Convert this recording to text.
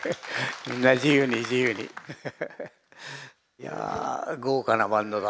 いや豪華なバンドだ。